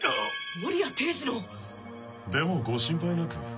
森谷帝ニの⁉でもご心配なく。